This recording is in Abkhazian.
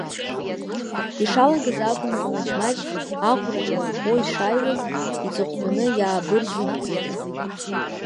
Ишалагаз акәымкәа маҷ-маҷ аӷәра аҿарӷәӷәо ишааиуаз, аҵыхәтәаны иааибаргәыбзыӷит.